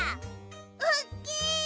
おっきい！